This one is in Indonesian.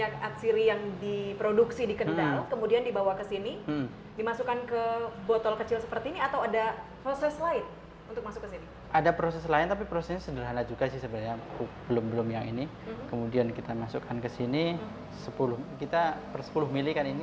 kalau lavender saya untuk parfum